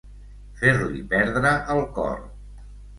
Fer-li perdre el cor.